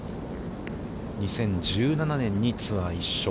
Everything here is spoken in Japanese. ２０１７年にツアー１勝。